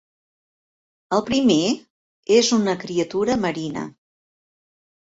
El primer és una criatura marina.